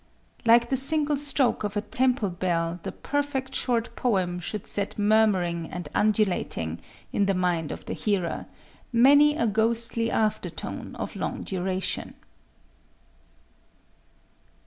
Like the single stroke of a temple bell, the perfect short poem should set murmuring and undulating, in the mind of the hearer, many a ghostly aftertone of long duration.